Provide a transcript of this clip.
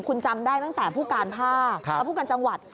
คุณจำได้ตั้งแต่ผู้การภาคแล้วผู้การจังหวัด